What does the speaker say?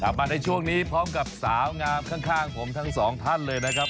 มาในช่วงนี้พร้อมกับสาวงามข้างผมทั้งสองท่านเลยนะครับ